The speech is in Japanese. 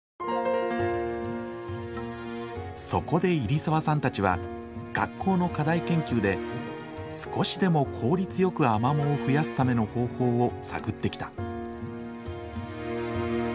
そこで入澤さんたちは学校の課題研究で少しでも効率よくアマモを増やすための方法を探ってきた。